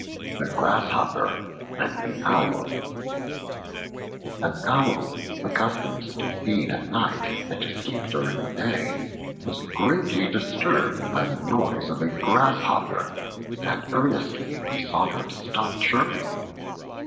The Grasshopper and the Owl AN OWL, accustomed to feed at night and to sleep during the day, was greatly disturbed by the noise of a Grasshopper and earnestly besought her to stop chirping.